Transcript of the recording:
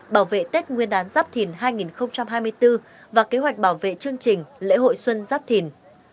bảo vệ tết nguyên đán giáp thìn hai nghìn hai mươi bốn và kế hoạch bảo vệ chương trình lễ hội xuân giáp thìn